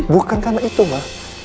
bukan karena itu ma